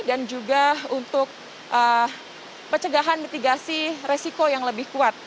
dan juga untuk pencegahan mitigasi resiko yang lebih kuat